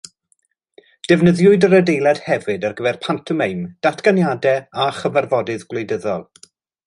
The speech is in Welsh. Defnyddiwyd yr adeilad hefyd ar gyfer pantomeim, datganiadau a chyfarfodydd gwleidyddol.